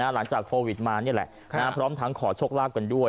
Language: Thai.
หลังจากโควิดมานี่แหละพร้อมทั้งขอโชคลาภกันด้วย